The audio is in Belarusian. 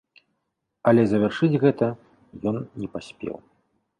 Але завяршыць гэта ён не паспеў.